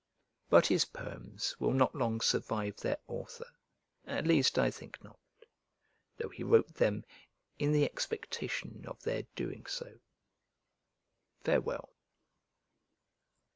But his poems will not long survive their author, at least I think not, though he wrote them in the expectation of their doing so. Farewell.